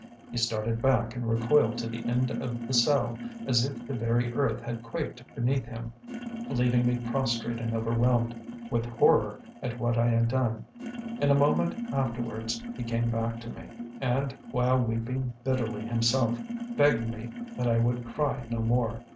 He started back and recoiled to the end of the cell, as if the very earth had quaked beneath him, leaving me prostrate and overwhelmed with horror at what I had done. In a moment afterwards he came back to me, and, while weeping bitterly himself, begged me that I would cry no more.